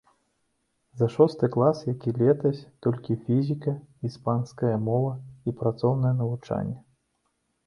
За шосты клас, як і летась, толькі фізіка, іспанская мова і працоўнае навучанне.